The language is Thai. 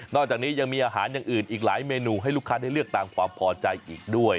จากนี้ยังมีอาหารอย่างอื่นอีกหลายเมนูให้ลูกค้าได้เลือกตามความพอใจอีกด้วย